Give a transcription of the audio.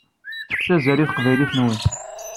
Fket azal i taqbaylit-nwen.